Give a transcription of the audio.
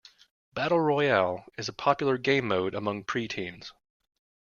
Battle Royale is a popular gamemode among preteens.